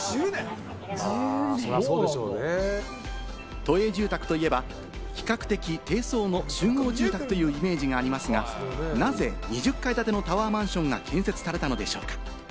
都営住宅といえば、比較的低層の集合住宅というイメージがありますが、なぜ２０階建てのタワーマンションが建設されたのでしょうか？